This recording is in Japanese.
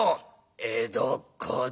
「江戸っ子だ。